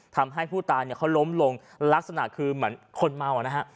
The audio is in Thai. ทำให้ผู้ตายเนี่ยเขาล้มลงลักษณะคือเหมือนคนเมาอ่ะนะฮะ